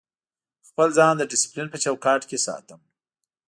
خپل ځان د ډیسپلین په چوکاټ کې ساتم.